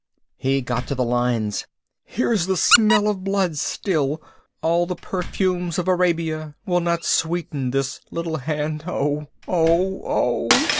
He got to the lines, "Here's the smell of blood still: all the perfumes of Arabia will not sweeten this little hand. Oh, oh, oh!"